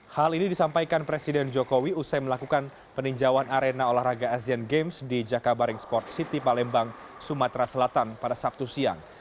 hal ini disampaikan presiden jokowi usai melakukan peninjauan arena olahraga asian games di jakabaring sport city palembang sumatera selatan pada sabtu siang